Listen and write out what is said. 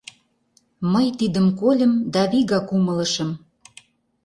Мый тидым кольым да вигак умылышым.